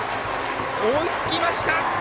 追いつきました！